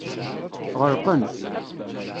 Ɣelqen.